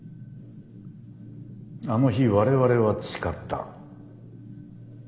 あの日我々は誓った。